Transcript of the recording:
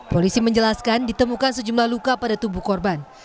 polisi menjelaskan ditemukan sejumlah luka pada tubuh korban